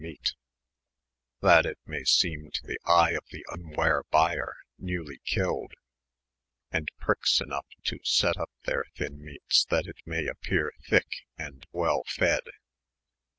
72 meate', that it may eeeme to the eye of the vnware byer, newly kylldj '& prickes inough to set vp their thyune meate, that it may appears thy eke and well fedde.